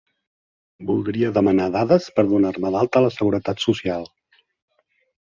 Voldria demanar dades per donar-me d'alta a la seguretat social.